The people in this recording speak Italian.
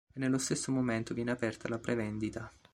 E nello stesso momento viene aperta la prevendita.